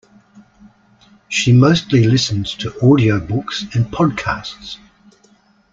She mostly listens to audiobooks and podcasts